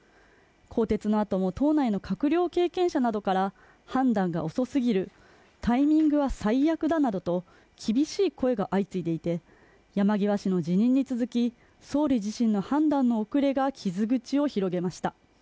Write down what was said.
更迭のあとも党内の官僚経験者などからも、判断が遅すぎる、タイミングは最悪だなどと厳しい声が相次いでいて、山際氏の辞任に続き総理自身の判断の遅れが傷口を広げました。